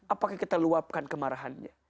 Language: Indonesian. apakah kita luapkan kemarahannya